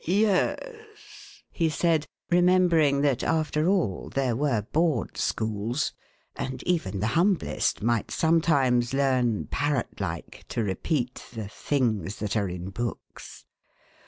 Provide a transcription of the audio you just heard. "Yes," he said, remembering that, after all, there were Board Schools, and even the humblest might sometimes learn, parrot like, to repeat the "things that are in books."